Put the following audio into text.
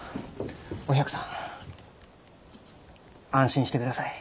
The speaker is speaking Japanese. お百さん安心してください。